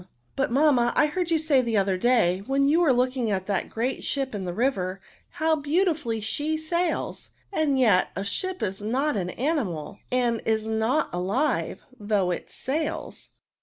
*"*' But, mamma, I heard you say the other day, when you were looking at that great ship in the river, how beautifully she sails ! and yet a ship is not an animal, and is not alive, though it sails."